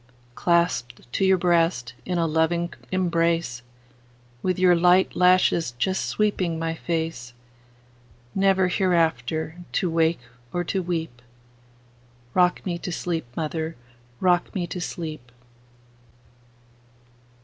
Clasped to your heart in a loving embrace, With your light lashes just sweeping my face, Never hereafter to wake or to weep;—Rock me to sleep, mother,—rock me to sleep!